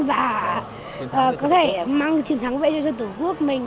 và có thể mang chiến thắng về cho tổ quốc mình